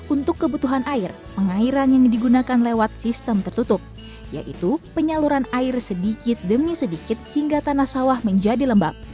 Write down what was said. untuk kebutuhan air pengairan yang digunakan lewat sistem tertutup yaitu penyaluran air sedikit demi sedikit hingga tanah sawah menjadi lembab